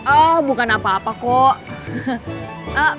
oh bukan apa apa kok